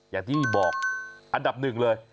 อย่างที่บอกอันดับหนึ่งเลย